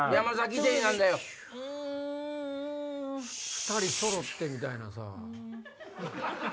２人揃ってみたいなさ。